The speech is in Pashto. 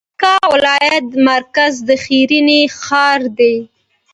پکتيکا ولايت مرکز د ښرنې ښار دی